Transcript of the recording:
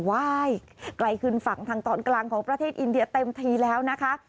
ไกลขึ้นฝั่งทางตอนกลางของประเทศอินเดียเต็มทีแล้วนะคะ